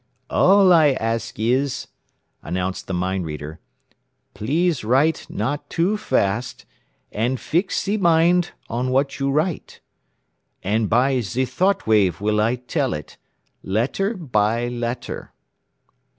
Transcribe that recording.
"All I ask is," announced the mind reader, "please write not too fast, and fix ze mind on what you write. And by ze thought wave will I tell it, letter by letter."